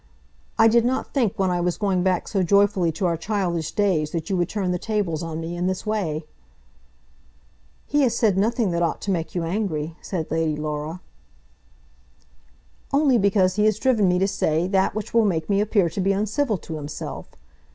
I did not think when I was going back so joyfully to our childish days that you would turn the tables on me in this way." "He has said nothing that ought to make you angry," said Lady Laura. "Only because he has driven me to say that which will make me appear to be uncivil to himself.